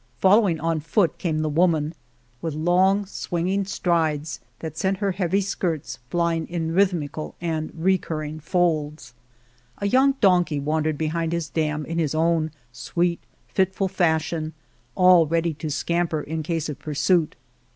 Following on foot came the woman, with long, swinging strides that sent her heavy skirts flying in rhythmi cal and recurring folds. A young donkey wandered behind his dam in his own sweet, fitful fashion, all ready to scamper in case of pursuit.